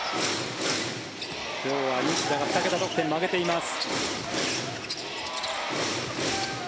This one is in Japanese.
今日は西田が２桁得点を挙げています。